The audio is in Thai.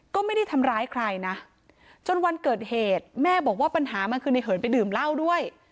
ก็ไม่ได้ทำร้ายใครนะจนวันเกิดเหตุแม่บอกว่าปัญหามันคือในเหินไปดื่มเหล้าด้วย